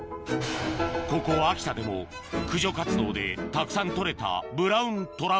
ここ秋田でも駆除活動でたくさん取れたブラウント